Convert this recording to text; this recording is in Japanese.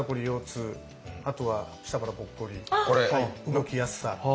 動きやすさ。